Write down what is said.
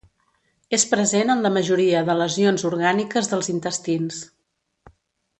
És present en la majoria de lesions orgàniques dels intestins.